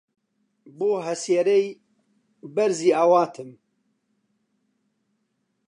بۆ هەسێرەی بەرزی ئاواتم